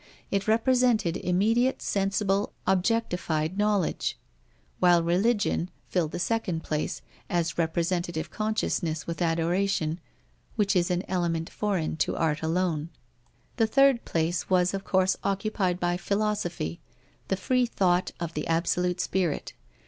It represented immediate, sensible, objectified knowledge; while Religion filled the second place, as representative consciousness with adoration, which is an element foreign to art alone. The third place was of course occupied by Philosophy, the free thought of the absolute spirit.